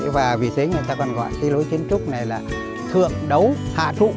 và vì thế người ta còn gọi cái nơi kiến trúc này là thượng đấu hạ trụ